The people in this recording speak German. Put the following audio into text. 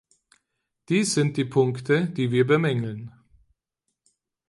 Dies sind die Punkte, die wir bemängeln.